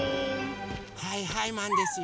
はいはいマンですよ！